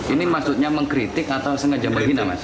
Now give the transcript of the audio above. ini maksudnya mengkritik atau sengaja menghina mas